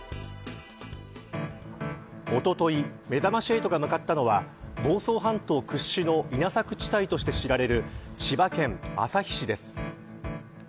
おとといめざまし８が向かったのは房総半島屈指の稲作地帯として知られる千葉県旭市です。